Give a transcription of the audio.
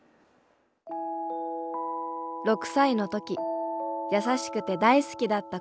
６歳の時優しくて大好きだった